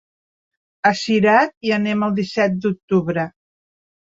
A Cirat hi anem el disset d'octubre.